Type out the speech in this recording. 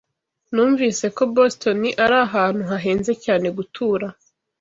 Numvise ko Boston ari ahantu hahenze cyane gutura.